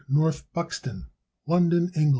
North Buxton, London, Eng.